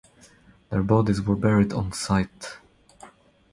Their bodies were buried on site.